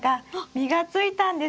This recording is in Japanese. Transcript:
実がついたんです。